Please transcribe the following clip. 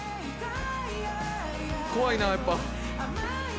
怖いなやっぱ。